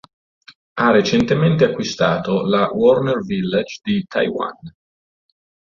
Ha recentemente acquistato la Warner Village di Taiwan.